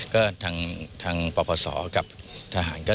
ก็ทางปรประสอจ์กับทหารก็เลย